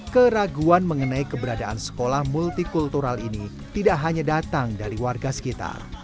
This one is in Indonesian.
keraguan mengenai keberadaan sekolah multikultural ini tidak hanya datang dari warga sekitar